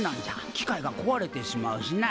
機械がこわれてしまうしな。